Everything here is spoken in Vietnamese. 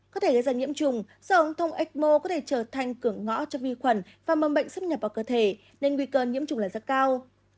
có thể gây ra nhiễm trùng do ung thông ecmo có thể trở thành cửa ngõ cho vi khuẩn và mầm bệnh xâm nhập vào cơ thể nên nguy cơ nhiễm trùng là rất cao